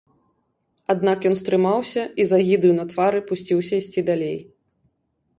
Аднак ён стрымаўся і з агідаю на твары пусціўся ісці далей.